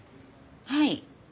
はい。